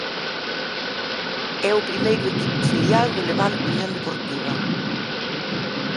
É o primeiro equipo filial do Levante Unión Deportiva.